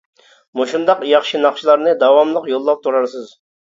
مۇشۇنداق ياخشى ناخشىلارنى داۋاملىق يوللاپ تۇرارسىز.